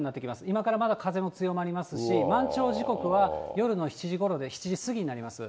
今からまだ風も強まりますし、満潮時刻は夜の７時ごろで、７時過ぎになります。